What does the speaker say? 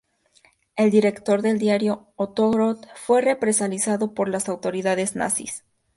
El director del diario, Otto Groth, fue represaliado por las autoridades nazis.